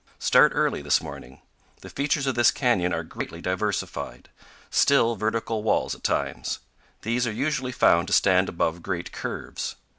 Start early this morning. The features of this canyon are greatly diversified. Still vertical walls at times. These are usually found to stand above great curves.